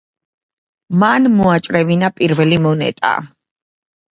მან მოაჭრევინა პირველი მონეტა.